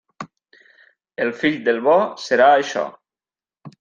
El fill del bo serà això.